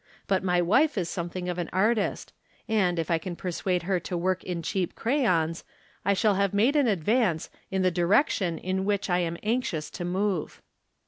But my wife is something of an artist, and, if I can persuade her to work in cheap crayons, I shall have made an advance in the direction in which I am anxious to move.